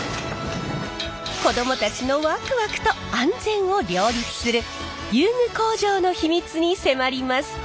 子どもたちのワクワクと安全を両立する遊具工場の秘密に迫ります！